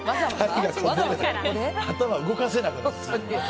頭、動かせなくなるよ。